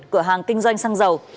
của hàng kinh doanh xăng dầu